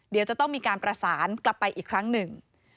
เดี๋ยวจะต้องมีการประสานกลับไปอีกครั้งหนึ่ง